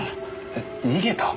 え逃げた？